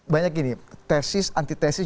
banyak gini tesis antitesis